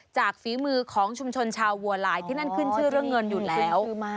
ฝีมือของชุมชนชาวบัวลายที่นั่นขึ้นชื่อเรื่องเงินอยู่แล้ว